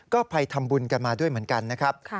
ก็ไปทำบุญกันมาด้วยเหมือนกันนะครับ